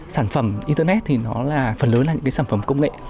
sản phẩm internet thì nó là phần lớn là những cái sản phẩm công nghệ